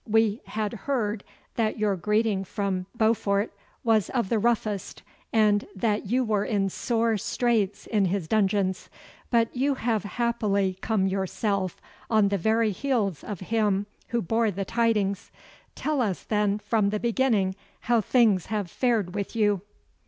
We had heard that your greeting from Beaufort was of the roughest, and that you were in sore straits in his dungeons. But you have happily come yourself on the very heels of him who bore the tidings. Tell us then from the beginning how things have fared with you.